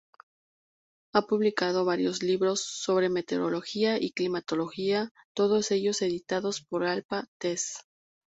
Ha publicado varios libros sobre meteorología y climatología, todos ellos editados por Alpha Test.